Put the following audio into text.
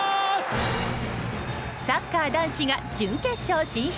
サッカー男子が準決勝進出。